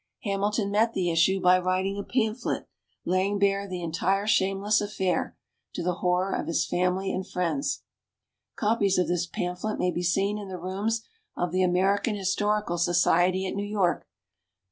Hamilton met the issue by writing a pamphlet, laying bare the entire shameless affair, to the horror of his family and friends. Copies of this pamphlet may be seen in the rooms of the American Historical Society at New York.